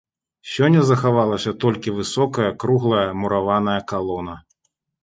Сёння захавалася толькі высокая круглая мураваная калона.